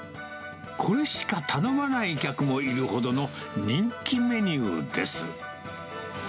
これしか頼まない客もいるほどの人気メニューです。